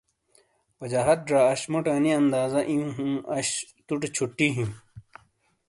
وجاہت زا اش موٹے انی اندازہ ایوں اش توٹے چھٹی ہِیں۔